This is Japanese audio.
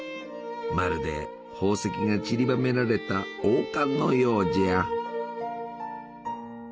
まるで宝石がちりばめられた王冠のようじゃ！